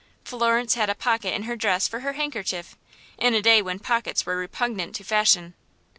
Florence had a pocket in her dress for her handkerchief, in a day when pockets were repugnant to fashion.